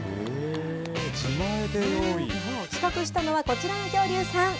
企画したのはこちらの恐竜さん。